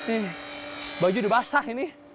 nih baju udah basah ini